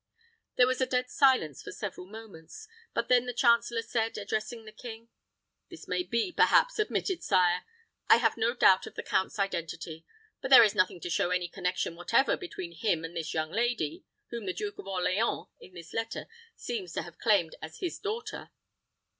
There was a dead silence for several moments; but then the chancellor said, addressing the king, "This may be, perhaps, admitted, sire. I have no doubt of the count's identity. But there is nothing to show any connection whatever between him and this young lady, whom the Duke of Orleans, in this letter, seems to have claimed as his daughter."